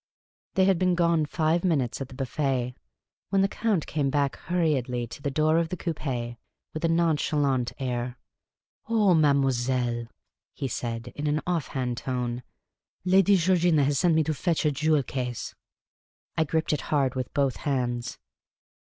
They had been gone five minutes at the biiffd, when the Count came back hurriedly to the door of the coupi with a nonchalant air. " Oh, mademoiselle," he said, in an off hand tone, " Lady Georgina has sent me to fetch her jewel case. '' I gripped it hard with both hands.